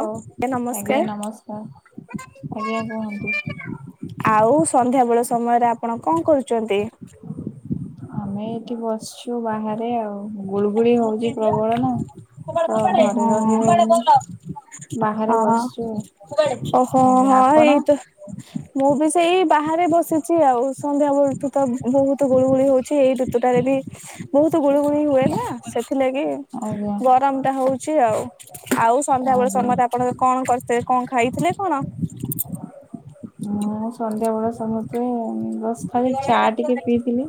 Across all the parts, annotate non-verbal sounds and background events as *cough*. ହଉ ଏ ଆଜ୍ଞା ନମସ୍କାର। ନମସ୍କାର ଆଜ୍ଞା କୁହନ୍ତୁ ଆଉ ସନ୍ଧ୍ୟା ବେଳ ସମୟରେ ଆପଣ କଁ କରୁଚନ୍ତି? ଆମେ ଏଇଠି ବସିଛୁ ବାହାରେ ଆଉ। ଗୁଳୁଗୁଳି ହଁ। ହଉଛି ଅହ ପ୍ରବଳ ନା ତ ଘରେ ରହି ହଉନି ବାହାରେ ବସିଛୁ ଓହୋ ଆଜ୍ଞା ହଁ ଆପଣ ହେଇତ ମୁଁ ବି ସେଇ ବାହାରେ ବସିଛି ଆଉ ସନ୍ଧ୍ୟା ବେଳଠୁ ତ ବୋହୁତୁ ଗୁଳୁଗୁଳି ହଉଛି ଏଇଠୁ ୟତୁଟାରେ ଦି ବହୁତୁ ଗୁଳୁ ଗୁଳି ହୁଏ। ନାଁ ସେଥିଲାଗି ଆଜ୍ଞା ଗରମଟା ହଉଚି ଆଉ। ଆଉ ସନ୍ଧ୍ୟା ବେଳେ ଆଜ୍ଞା ସମତେ ଆପଣଙ୍କ କଣ କରିତେ କଁ ଖାଇଥିଲେ କଣ? ମୁଉ ସନ୍ଧ୍ୟା ବେଳେ ସମତେ ଉଁ ଅସ୍ ଖାଲି ଚା ଟିକେ ପିଇଥିଲି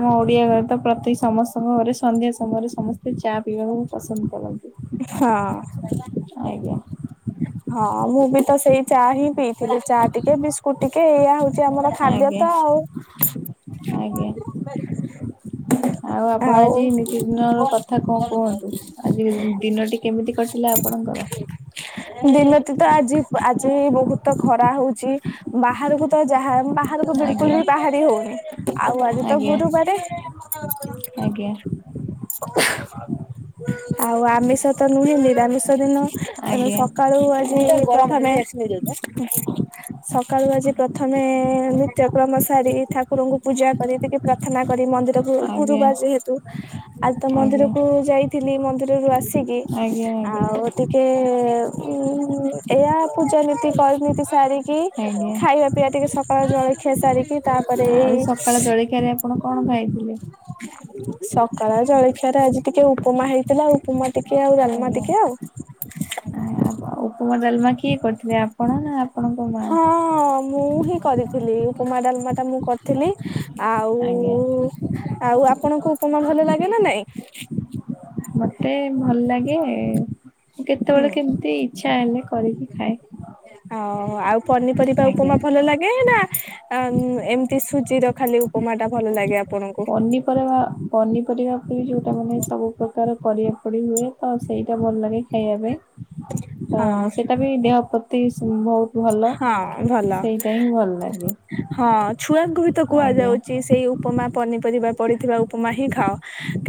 ଆମ ଓଡ଼ିଆ ଘରେ ତ ପ୍ରତି ସମସ୍ ଘରେ ସନ୍ଧ୍ୟା ସମୟରେ ସମସ୍ତେ ଚା ପିଇବାକୁ ପସନ୍ଦ କରନ୍ତି। ହଁ। ଆଜ୍ଞା। ହଁ ମୁଁ ବି ତ ସେଇ ଚା ହିଁ ପିଇଥିଲି ଚା ଟିକେ ବିସ୍କୁଟ ଟିକେ ଏଇଆ ହଉ ଚି ଆମର ଖାଦ୍ୟ ଆଜ୍ଞା ତ ଆଉ। ଆଜ୍ଞା। ଆଉ ଆପଣ ଆଜି ନିତିଦିନର କଥା କଁ କୁହନ୍ତୁ। ଆଜି ଦିନଟି କେମିତି କଟିଲା ଆପଣଙ୍କର? ଦିନତି ତ ଆଜି ଆଜି ବୋହୁତ ଖରା ହଉଚି। ବାହାରୁକୁ ତ ଯାହା ବାହାରୁକୁ ବିଲକୁଲ୍ ଆଜ୍ଞା ବି ବାହାରି ହଉନି। ଆଉ ଆଜି ତ ଆଜ୍ଞା ଗୁରୁବାରେ। ଆଜ୍ଞା ଆଉ ଆମିଷ ତ ନୁହେଁ ନିରାମିଷ ଦିନ। ତେଣୁ ଆଜ୍ଞା ସକାଳୁ ଆଜି ପ୍ରଥମେ ହୁଁ। ସକାଳୁ ଆଜି ପ୍ରଥମେ ନିତ୍ୟକ୍ରମ ସାରି ଠାକୁରଙ୍କୁ ପୂଜା କରି ଟିକେ ପ୍ରାର୍ଥନା କରି ମନ୍ଦିରକୁ ଆଜ୍ଞା ଗୁରୁବାର ଯେହେତୁ ଆଜି ତ ଆଜ୍ଞା ମନ୍ଦିରକୁ ଯାଇ ଥିଲି ମନ୍ଦିରରୁ ଆସିକି ଆଜ୍ଞା ଆଜ୍ଞା ଆଉ ଟି କେ ଉଁ ଏଇଆ ପୂଜାନୀତି କରନି ତି ସାରିକି ଆଜ୍ଞା ଖାଇବା ପିଇବା ଟିକେ ସକାଳ ଜଳଖିଆ ସାରିକି ତାପରେ ଏଇ କାଳ ଜଳିଖିଆରେ ଆପଣ କଣ ଖାଇଥିଲେ? ସକାଳ ଜଳିଖିଆରେ ଆଜି ଟିକେ ଉପମା ହେଇଥିଲା ଉପମା ଟିକେ ଆଉ ଡାଲମା ଆଜ୍ଞା ଟିକେ ଆଉ ଓ ଉପମା ଡାଲମା କିଏ କରିଥିଲେ ଆପଣ ନାଁ ଆପଣଙ୍କ ମା? ହଁ ମୁଁ ହିଁ କରିଥିଲି ଉପମା ଡାଲମାଟା ମୁଁ କରିଥିଲି ଆଉ ଆଜ୍ଞା ଆଉ ଆପଣଙ୍କୁ ଉପମା ଭଲ ଲାଗେ ନାଁ ନାଇଁ? ମତେ ଭଲ ଲାଗେ ହୁଁ କେତୋଳେ କେମତି ଇଚ୍ଛା ହେଲେ କରିକି ଖାଏ ହଁ ଆଉ ପନିପରିବା ଆଜ୍ଞା। ଉପମା ଭଲ ଲାଗେ ନାଁ ଆଁ ଏମତି ସୁଜିର ଖାଲି ଉପମାଟା ଭଲ ଲାଗେ ଆପଣଙ୍କୁ? ପନିପରେବା ପନିପରିବା ପି ଯୋଉଟା ମାନେ ସବୁ ପ୍ରକାର ପରିବା ପଡ଼ି ହୁଏ ତ ସେଇଟା ଭଲ ଲାଗେ। ଖାଇବା ପାଇଁ ତ ହଁ ସେଟା ବି ଦେହ ପ୍ରତି ସ ବହୁ ହଁ ଭଲ ଲାଗେ ହଁ ଛୁଆଙ୍କୁ ବି ତ ଆଜ୍ଞା କୁହାଯାଉଚି ସ୍ ତେଇ ଉପମା ପନିପରିବା ପଡ଼ିଥିବା ଉପମା ହିଁ ଖାଅ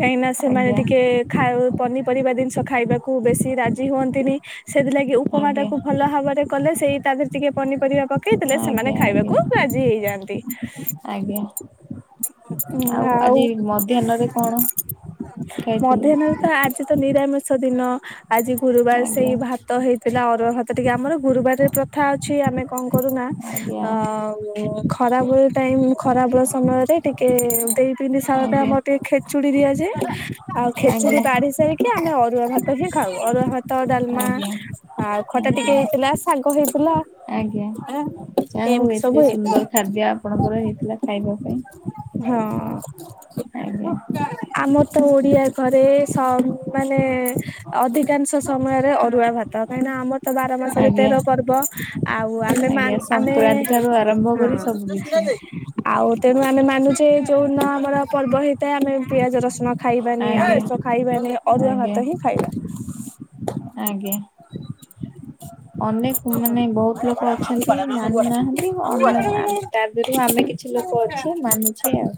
କାହିଁକି ନା ସେମାନେ ଆଜ୍ଞା ଟିକେ ଖାଉ ପନିପରିବା ଦିନଷ ଖାଇବାକୁ ବେଶୀ ରାଜି ହୁଅନ୍ତିନି। ସେଥିଲାଗି ଆଜ୍ଞା। ଉପମାଟାକୁ ଭଲ ଭାବରେ କଲେ, ସେଇ ତାଦେହରେ ଟିକେ ପନିପରିବା ପ ପକେଇ ଦେଲେ ସେମାନେ ଆଜ୍ଞା ଆଜ୍ଞା ଖାଇବାକୁ ରାଜି ହେଇଯାଆନ୍ତି। ଆଜ୍ଞା ଉଁ ଆଉ, ଆଜି ମଧ୍ୟାହ୍ନରେ କଣ ଖାଇଥିଲେ? ମଧ୍ୟାହ୍ନ ଆଜି ତ ନିରାମିଷ ଦିନ। ଆଜି ଗୁରୁବାର। ଆଜ୍ଞା ସେଇ ଭାତ ତ ହେଇଥିଲା ଅରୁଆ ଭାତ ଟିକେ ଆମର, ଗୁରୁବାରରେ ପ୍ରଥା ଅଛି ଆମେ କଣ କରୁନା ଅ ଆଜ୍ଞା ଖରାବେଳ ଟାଇମ, ଖରା ବେଳ ସମୟରେ ଟିକେ ଦେଇ ପିଣ୍ଡି ସାଳରେ ଆଜ୍ଞା ଆମର ଟିକେ ଖେଚୁଡି ଦିଆଯାଏ। ଆଉ ଖେଚୁଡି ଆଜ୍ଞା ବାଢି ସାରି କି ଆମେ ଅରୁଆ ଭାତ ହିଁ ଖାଉ। ଅରୁଆ ଭାତ, ଡାଲମା, ଆଜ୍ଞା ଆଉ ଖଟା ଟିକେ ଆଜ୍ଞା। ହେଇଥିଲା, ଶାଗ ହେଇ ଥିଲା। ଆଜ୍ଞା ଏ ଯାହା ହଉ ଏମିତି ସବୁ ଏତେ ସୁନ୍ଦର ହେଇଥିଲା। ଖାଦ୍ୟ ଆପଣଙ୍କର ହେଇଥିଲା ଖାଇବା ପାଇଁ। ହଁ। ଆଜ୍ଞା ଆମର ତ ଓଡିଆ ଘରେ, ସ ମାନେ ଅଧିକାଂଶ ସମୟରେ ଅରୁଆ ଭାତ କାହିଁକିନା ଆମର ତ ବାର ମାସରେ ତେର ଆଜ୍ଞା। ପର୍ବ। ଆଉ ଆମେ ମା, ଆଜ୍ଞା ଆମେ ସଂକ୍ରାନ୍ତି ଠାରୁ ଆରମ୍ଭ କରି ହଁ। ସବୁ କିିଛି ଆଉ ତେଣୁ ଆମେ ମାନୁଛେ। ଯୋଉ ଦିନ ଆମର ପର୍ବ ହେଇଥାଏ ଆମେ ପିଆଜ ରସୁଣ ଖାଇବାନି। ଆଜ୍ଞା ଆମିଷ ଖାଇବାନି। ଅରୁଆ ଆଜ୍ଞା ଭାତ ହିଁ ଖାଇବା। ଆଜ୍ଞା। ଅନେକ ମାନେ ବହୁତ ଲୋକ ଅଛନ୍ତି ମାନୁନାହାନ୍ତି। ଅନ୍ୟ ଆମେ ତା ଦେହରୁ ଆମେ କ କିଛି ଲୋକ ଅଛେ ମାନୁଛେ ଆଉ।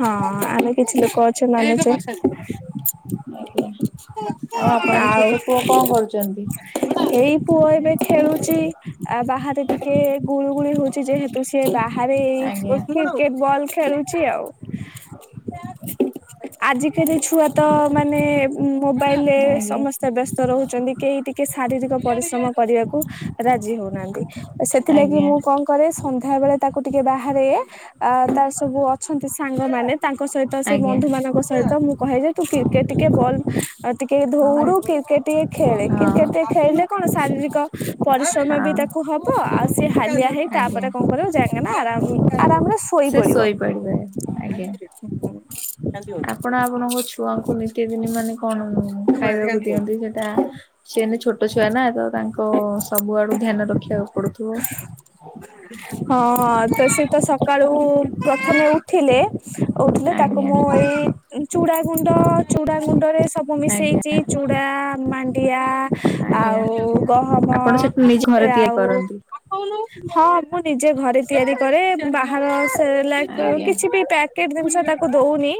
ହଁ ଆମେ କିଛି ଲୋକ ଅଛେ ଆଜ୍ଞା ମାନୁଛେ। ଆଜ୍ଞା। ଆଉ ଆପଣଙ୍କ ଆଉ ଛୋଟ ପୁଅ କଣ କରୁଛନ୍ତି? ଏଇ ପୁଅ ଏବେ ଖେଳୁଛି। ଆ ବାହାରେ ଟିକେ ଗୁଳୁଗୁଳି ହଉଛି ଯେହେତୁ ସେ ବାହାରେ ଏଇ *inaudible* ଆଜ୍ଞା କ୍ରିକେଟ ବଲ ଖେଳୁଛି ଆଉ। ଆଜିକାଲି ଛୁଆ ତ ମାନେ ମୋବାଇଲରେ ଆଜ୍ଞା ସମସ୍ତେ ବ୍ୟସ୍ତ ରହୁ ଛନ୍ତି। କେହି ଟିକେ ଶାରୀରିକ ପରିଶ୍ରମ କରିବାକୁ ରାଜି ହଉନାହାନ୍ତି। ସେଥିଲାଗି ଆଜ୍ଞା ମୁଁ କଣ କରେ ସନ୍ଧ୍ୟାବେଳେ ତାକୁ ଟିକେ ବାହାରେ, ଅ ତାର ସବୁ ଅଛନ୍ତି ସାଙ୍ଗମାନେ ତାଙ୍କ ସହିତ ସେ ଆଜ୍ଞା ବନ୍ଧୁମାନଙ୍କ ସହିତ ମୁଁ କହେ ଯେ ତୁ କ୍ରିକେଟ ଟିକେ ବଲ୍ ଟିକେ ହଁ ଧୋଉଡୁ କ୍ରିକେଟ ଟିକେ ଖେଳେ। କ୍ରିକେଟ ହଁ ଟିକେ ଖେଳିଲେ କଣ ଶାରୀରିକ ପରିଶ୍ରମ ବି ହଁ ତାକୁ ହବ। ଆଉ ସିଏ ହାଲିଆ ହେଇ ଆଜ୍ଞା ତାପରେ କଣ କରିବ ଯାଇକିନା ଆରାମ, ଆରାମରେ ଶୋ ଶୋଇ ସେ ପଡିବ। ଶୋଇପଡିବେ ଆଜ୍ଞା। ଆପଣ ଆପଣଙ୍କ ଛୁଆଙ୍କୁ ନିିତି ଦିନ ମାନେ କଣ ଖାଇବାକୁ ଦିଅନ୍ତି ସେଇଟା? ସିଏ ଏଇନେ ଛୋଟ ଛୁଆ ନା, ତ ତାଙ୍କ ସବୁ ଆଡୁ ଧ୍ୟାନ ରଖିବାକୁ ପଡୁଥିବ। ହଁ ତ ସେତ ସକାଳୁ ପ୍ରଥମେ ଉଠିଲେ, ଉଠିଲେ ତାକୁ ଆଜ୍ଞା। ମୁଁ ଏଇ ଚୁଡ଼ା ଗୁଣ୍ଡ, ଚୁଡା ଗୁଣ୍ଡ ରେ ସବୁ ଆଜ୍ଞା ମିଶେଇଛି। ଚୂଡ଼ା, ମାଣ୍ଡିଆ, ଆଜ୍ଞା ଆଉ ଗହମ ଆପଣ ସେଠି ନିଜେ ଘରେ ତିଆରି ଆଉ କରନ୍ତି ହଁ, ମୁଁ ନିଜେ ଘରେ ତିଆରି କରେ। ବାହାର ସେରେଲାକ୍ ଆଜ୍ଞା। କିଛି ବି ପ୍ୟାକେଟ ଜିନିଷ ତାକୁ ଦଉନି।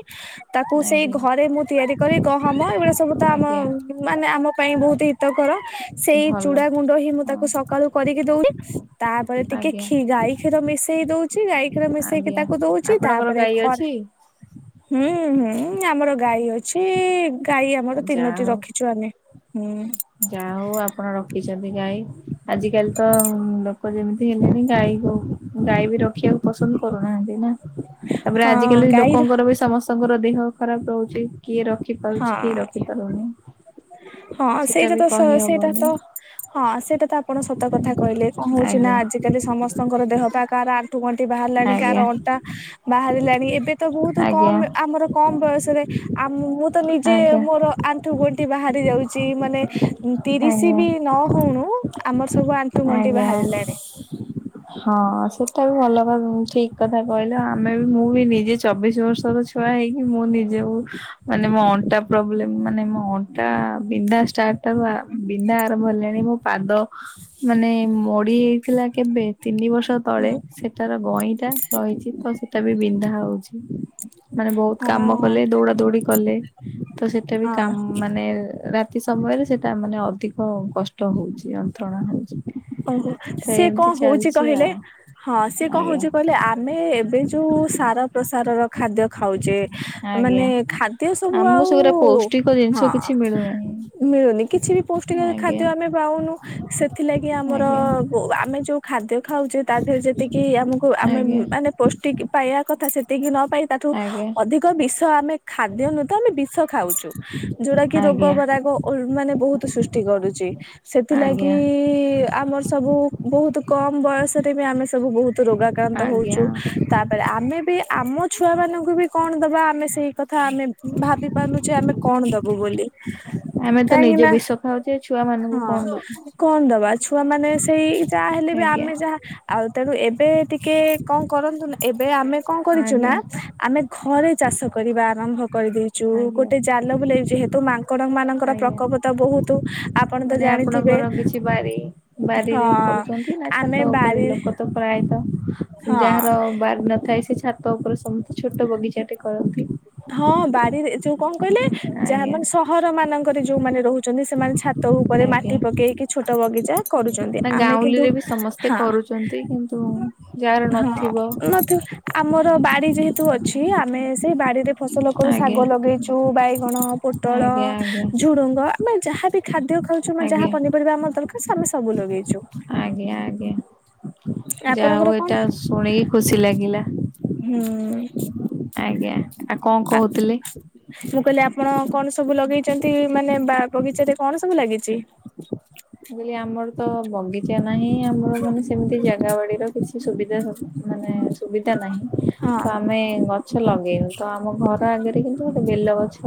ତାକୁ ସେଇ ଆଜ୍ଞା ଘରେ ମୁଁ ତିଆରି କରି ଗହମ ଏଇଗୁଡା ସବୁ ତ ଆମ, ଆଜ୍ଞା ମାନେ ଆମ ପାଇଁ ବହୁତ ହିତକର। ସେଇ ଭଲ ଚୁଡା ଗୁଣ୍ଡ ହିଁ ମୁଁ ହଁ ତାକୁ ସକାଳୁ କରିକି ଦଉଏ। ତାପରେ ଟିକେ ଆଜ୍ଞା ଖି ଗାଈ କ୍ଷୀର ମିଶେଇ ଦଉଛି, ଗାଈ କ୍ଷୀର ମିଶେଇକି ଆଜ୍ଞା। ତାକୁ ଦଉଛି। ଆପଣଙ୍କର ତାପରେ ଗାଈ ଅଛି ଖରା ହୁଁ ହୁଁ ଆମର ଗାଈ ଅଛି। ଗାଈ ଆମର ତିନୋଟି ରଖିଚୁ ଆମେ ହୁଁ। ଯା ହଉ ଆପଣ ରଖିଚନ୍ତି ଗାଈ। ଆଜିକାଲି ତ ଲୋକ ଯେମିତି ହେଲେଣି ଗାଈକୁ ଗାଈ ବି ରଖିବାକୁ ପସନ୍ଦ କରୁନାହାନ୍ତି ନା। ତାପରେ ହଁ ଆଜିକାଲି ଗାଈର ଲୋକଙ୍କର ବି ସମସ୍ତଙ୍କର ଦେହ ଖରାପ ରହୁଚି କିଏ ରଖିପାରୁଚି। କିଏ ରଖି ପାରୁନି। ହ ହଁ ସେଟା ସେଇଟା ବି ତ ସ ସେଇଟା କହିହବନି ତ ହଁ ସେଇଟା ତ ଆପଣ ସତ କଥା କହିଲେ କଣ ହଉଚି ନା ଆଜ୍ଞା ଆଜି କିନ୍ତୁ ସମସ୍ତଙ୍କର ଦେହପା କାହାର ଆଣ୍ଠୁ ଗଣ୍ଠି ବାହାରିଲାଣି କାହାର ଆଜ୍ଞା ଅଣ୍ଟା ବାହାରିଲାଣି ଏବେ ତ ବହୁତ କମ ଆଜ୍ଞା ଆମର କମ ବୟସରେ ଆମ ମୁଁ ତ ନିଜେ ଆଜ୍ଞା ମୋର ଆଣ୍ଠୁ ଗଣ୍ଠି ବାହାରି ଯାଉଚି ମାନେ ତିରିସି ଆଜ୍ଞା ବି ନ ହଉଣୁ ଆମର ସବୁ ଆଣ୍ଠୁ ଗଣ୍ଠି ଆଜ୍ଞା ବାହାରିଲାଣି। ହଁ ସେଟା ବି ଭଲ। ମମ ଠିକ କଥା କହିଲ ଆମେ ବି ମୁଁ ବି ନିଜେ ଚବିଶ ବର୍ଷର ଛୁଆ ହେଇକି ମୁଁ ନିଜେକୁ ମାନେ ମୋ ଅଣ୍ଟା ପ୍ରୋବ୍ଲେମ୍ ମାନେ ମୋ ଅଣ୍ଟା ବିନ୍ଧା ଷ୍ଟାର୍ଟ ଣ୍ଟା ବା ବିନ୍ଧା ଆରମ୍ଭ ହେଲାଣି ମୋ ପାଦ ମାନେ ମୋଡି ହେଇଥିଲା କେବେ ତିନି ବର୍ଷ ତଳେ ହୁଁ ସେ ତାର ଗଇଁଟା ରହିଚି ତ ସେଟା ବି ବିନ୍ଧା ହଉଚି। ମାନେ ବହୁତ ହଁ କାମ କଲେ ଦୌଡା ଦୌଡି କଲେ ତ ସେଟା ବି ହଁ। କାମ ମାନେ ରା ଏତି ସମୟରେ ସେଇଟା ମାନେ ଅଧିକ କଷ୍ଟ ହଉଚି। ଯନ୍ତ୍ରଣା ହଉଚି ଓହୋ ତ ସିଏ କଣ ଏମିତି ହଉଛି ଚାଲିଚି କହିଲେ ଆଉ। ହଁ ସିଏ ଆଜ୍ଞା କହୁଉଚି ଆଜ୍ଞା କହିଲେ ଆମେ ଏବେ ଯୋଉ ସାର ପ୍ରସାରର ଖାଦ୍ୟ ଖାଉଚେ ମାନେ ଖାଦ୍ୟ ସବୁ ଆମକୁ ଆଉ ସେଗୁରା ପୌଷ୍ଟିକ ଜିନିଷ ହଁ କିଛି ମିଳୁନି ମିଳୁନି କିଛି ବି ପୌଷ୍ଟିକ ଖାଦ୍ୟ ଆମେ ପାଉନୁ। ସେଥିଲାଗି ଆମର ଆଜ୍ଞା ବୋ ଆମେ ଯୋଉ ଖାଦ୍ୟ ଖାଉଚେ ତା ଯେତିକି ଆମକୁ ଆମେ ଆଜ୍ଞା ମାନେ ପୌଷ୍ଟିକ ପାଇବା କଥା ସେତିକି ନ ପାଇ ତାଠୁ ଆଜ୍ଞା ଅଧିକ ବିଷ ଆମେ ଖାଦ୍ୟ ନୁ ତ ଆମେ ବିଷ ଖାଉଚୁ। ଯୋଉଟା କି ରୋଗ ଆଜ୍ଞା ବରାଗ ଓ ମାନେ ବହୁତ ସୃଷ୍ଟି କରୁଚି ସେ ଥିଲାଗି ଆଜ୍ଞା ଆମର ସବୁ ବହୁତ କମ ବୟସରେ ବି ଆମେ ସବୁ ବହୁତ ରୋଗା ଆକ୍ରାନ୍ତ ଆଜ୍ଞା ହଉଚୁ। ତାପରେ ଆମେ ବି ଆମ ଛୁଆ ମାନଙ୍କୁ ବି କଣ ଦବା ଆମେ ସେଇ କଥା ଆମେ ଭାବି ମାନୁଚେ ଆମେ କଣ ଦବୁ ବୋଲି ଆମେ ତ କାହିଁକି ନିଜେ ନା ବିଷ ଖାଉଚେ ଛୁଆ ମାନଙ୍କୁ ହଁ କଣ ଦବୁ। କଣ ଦବା ଛୁଆ ମାନେ ସେଇ ଯାହା ହେଲେ ବି ଆଜ୍ଞା ଆମେ ଯାହା ଆଉ ତେଣୁ ଏବେ ଟିକେ କଣ କରନ୍ତୁ ନା ଏବେ ଆମେ କଣ କରିଚୁ ନା ଆଜ୍ଞା ଆମେ ଘରେ ଚାଷ କରିବା ଆରମ୍ଭ କରିଦେଇଛୁ ଆଜ୍ଞା ଗୋଟେ ଜାଲ ବୁଲେଇଚି ହେତୁ ମାଙ୍କଡ ମାନଙ୍କର ଆଜ୍ଞା ପ୍ରକୋପ ତ ବହୁତ ଆପଣ ତ ମାନେ ଜାଣି ଆପଣଙ୍କର କିଛି ବାରି ବାରିରେ କରୁଚନ୍ତି ନା ଆମେ ଛାତ ଉପରେ ବାରି ଲୋକ ତ ପ୍ରାୟତ ହଁ ଯାହାର ବାରି ନଥାଏ ସେ ଛାତ ଛାତ ଉପରେ ସମସ୍ତେ ଛୋଟ ବଗିଚାଟେ କରନ୍ତି। ହଁ ବାଡିରେ ଯୋଉ କଣ କହିଲେ ଯାହା ଆଜ୍ଞା ମାନେ ସ ଘର ମାନଙ୍କରେ ଯୋଉମାନେ ରହୁଚନ୍ତି ସେମାନେ ଛାତ ଉପରେ ଆଜ୍ଞା ମାଟି ପକେଇକି ଛୋଟ ବଗିଚା କରୁଚନ୍ତି ନା ଆମେ କିନ୍ତୁ ଗାଉଁଲିରେ ବି ସମସ୍ତେ ହାଁ କରୁଛନ୍ତି କିନ୍ତୁ ଯାହାର ନଥିବ ହଁ ମ୍ ତୁ ଆମର ବାଡି ଯେହେତୁ ଅଛି ଆମେ ସେ ବାଡିରେ ଫସଲ କରୁ ଆଜ୍ଞା ଶାଗ ଲଗେଇଚୁ ବାଇଗଣ ପୋଟଳ, ଆଜ୍ଞା ଆଜ୍ଞା ଝୁଡୁଙ୍ଗ। ଆମେ ଯାହା ବିି ଖାଦ୍ୟ ଖାଉଚୁ ମାନେ ଯାହା ଆଜ୍ଞା ପନିପରିବା ଆମର ଦରକାର ସବୁ ସବୁ ଲଗେଇଚୁ। ଆଜ୍ଞା ଆଜ୍ଞା, ଯାହା ଆପଣଙ୍କର ହଉ କଣ ଏଇଟା ଶୁଣିକି ଖୁସି ଲାଗିଲା। ହୁଁ ଆଜ୍ଞା। ଆଉ କଁ ଆ କହୁଥିଲେ? ମୁଁ କଇଲି ଆପଣ କଣ ସବୁ ଲଗେଇଚନ୍ତି ମାନେ ବା ବଗିଚାରେ କଣ ସବୁ ଲାଗିଚି? ମୁଁ କଇଲି ଆମର ତ ବଗିଚା ନାଇଁ ଆମର ମାନେ ସେମିତି ଜାଗା ବାଡିର କିଛି କିଛି ସୁବିଧା ମାନେ ସୁବିଧା ନାହିଁ। ହଁ ତ ଆମେ ଗଛ ଲଗେଇନୁ ତ ଆମ ଘର ଆଗରେ କିନ୍ତୁ ଗୋଟେ ବେଲ ଗଛ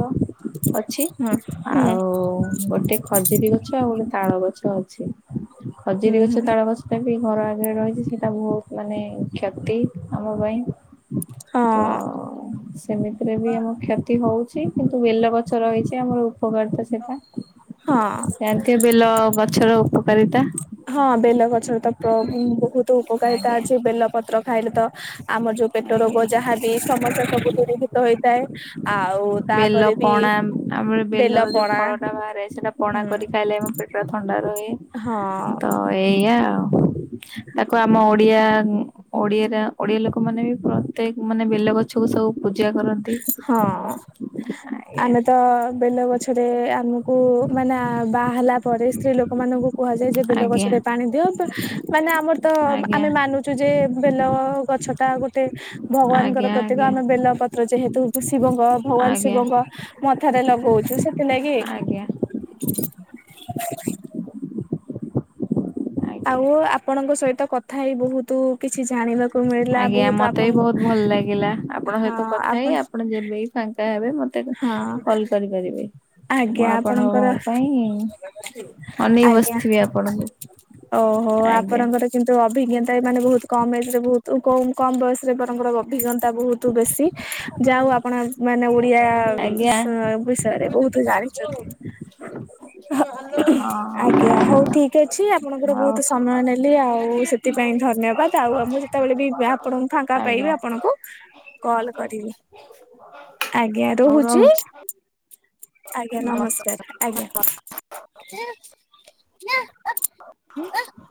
ଅଛି। ହଁ ହୁଁ ଆଉ ଗୋଟେ ଖଜୁରୀ ଗଛ ଆଉ ଗୋଟେ ତାଳ ଗଛ ଅଛି ଖଜୁରୀ ହୁଁ ଗଛ ହୁଁ ତାଳ ଗଛ୍ ସେଇଟା ବି ଘର ଆଗରେ ରହିଚି ସେଇଟା ବହୁତ୍ ମାନେ କ୍ଷତି ଆମ ପାଇଁ। ହଁ ତ ସେମିତିରେ ବି ଆମ କ୍ଷତି ହଉ ଚି, କିନ୍ତୁ ବେଲ ଗଛ ରହିଚି ଆମର ଉପକାରିତା ହଁ। ସେଟା। ସେ ବେଲ ଗଛର ଉପକାରିତା ହଁ ବେଲଗଛରେ ତ ପ ବହୁତ୍ ଉପକାରିତା ଆଜ୍ଞା ଅଛି ବେଲ ପତ୍ର ଖାଇଲେ ତା ଆମ ଯୋଉ ପେଟ ଆଜ୍ଞା ରୋଗ ଯାହାବି ସମସ୍ୟା ସବୁ ଦୂରୀଭୂତ ହେଇଥାଏ। ଆଉ ବେଲ ତାପରେ ବି ପଣା ଆମ ବେଲର ବେଲ ଯୋଉ ପଣା ଫଳଟା ବାହାରେ ସେଟା ପଣା ହୁଁ କରି ଖାଇଲେ ଆମ ପେଟ୍ ପେଟ ଥଣ୍ଡା ରୁହେ ହଁ ତ ଏଇଆ ଆଉ। ତାକୁ ଆମ ଓଡିଆ ଉଁ ଓଡିଆରେ ଓଡିଆ ଲୋକମାନେ ବି ପ୍ରତ୍ୟେକ ମାନେ ବେଲ ଗଛକୁ ସବୁ ପୂଜା କରନ୍ତି। ହଁ ଆଜ୍ଞା ଆମେ ତ ବେଲ ଗଛରେ ଆମ୍ କୁ ମାନେ ବାହା ହେଲା ପରେ ସ୍ତ୍ରୀ ଲୋକ ମାନଙ୍କୁ କୁହାଯାଏ ଯେ ଆଜ୍ଞା ବେଲଗଛରେ ପାଣି ଦିଅନ୍ତୁ। ମାନେ ଆମର ତ ଆଜ୍ଞା ଆମେ ମାନୁଚୁ ଯେ ବେଲ ଗଛ ଟା ଗୋଟେ ଭଗବାନଙ୍କର ଆଜ୍ଞା ପ୍ରତିକ ଆଜ୍ଞା ଆମେ ବେଲପତ୍ର ଯେହେତୁ ଶିବଙ୍କ ଭଗବାନ୍ ଆଜ୍ଞା ଶିବଙ୍କ ମଥାରେ ଲଗଉଚୁ ସେଥିଲାଗି। ଆଜ୍ଞା ଆଜ୍ଞା ଆଉ ଆପଣଙ୍କ ସହିତ କଥା ହେଇ ବହୁତୁ କିଛି ଜାଣିବାକୁ ମିଳିଲା ଆଜ୍ଞା ବହୁତ ମତେ ବି ଆପଣଙ୍କ ବହୁତ୍ ଭଲ ଲାଗିଲା ଆପଣଙ୍କ ସହିତ କଥା ହେଇ। ଆପଣ ଯବେ ବି ଫାଙ୍କା ହେବେ ମତେ ହଁ କଲ୍ କରିପାରିବେ। ମୁଁ ଆଜ୍ଞା ଆପଣଙ୍କ ଆପଣଙ୍କର ପାଇଁ ଅନେଇ ଆଜ୍ଞା ବସିଥିବି ଆପଣଙ୍କୁ। ଓହୋ ଆଜ୍ଞା ଆପଣଙ୍କର କିନ୍ତୁ ଅଭିଜ୍ଞତା ଏ ମାନେ ବହୁତ୍ କମ ଏଜ୍ ରେ ବହୁତ କମ୍ ବୟସରେ ଆପଣଙ୍କ ର ଅଭିଜ୍ଞତା ବହୁତ ବେଶୀ। ଯା ହଉ ଆପଣ ମାନେ ଓଡିଆ ଆଜ୍ଞା ସ ବିଷୟରେ ବହୁତ୍ ଜାଣିଚନ୍ତି। ଆଜ୍ଞା ହଁ ହଉ ଠିକ୍ ଅଛି ଆପଣଙ୍କର ହଉ ବହୁତ୍ ସମୟ ନେ ନେଲି ଆଉ ସେଥିପାଇଁ ଧନ୍ୟବାଦ୍ ଆଉ ମୁଁ ଯେତେବେଳେ ବି ଆପଣଙ୍କୁ ଫାଙ୍କା ଆଜ୍ଞା ପାଇବି ଆପଣଙ୍କୁ କଲ୍ କରିବି ଆଜ୍ଞା ହଉ ରହୁଚି। ରହୁଛି। ଆଜ୍ଞା ନମସ୍କାର ଆଜ୍ଞା। *unintelligible*